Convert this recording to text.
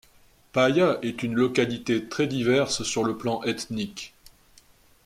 Paia est une localité très diverse sur le plan ethnique.